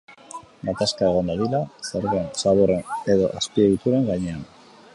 Gatazka egon dadila zergen, zaborren edo azpiegituren gainean.